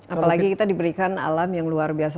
apalagi kita diberikan alam yang luar biasa